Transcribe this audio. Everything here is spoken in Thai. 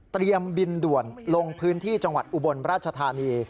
บินด่วนลงพื้นที่จังหวัดอุบลราชธานี